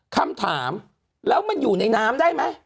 คำถามแล้วมันอยู่ในน้ำได้ไหม